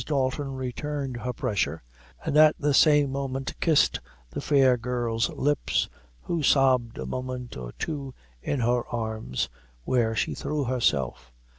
Dalton returned her pressure, and at the same moment kissed the fair girl's lips, who sobbed a moment or two in her arms, where she threw herself.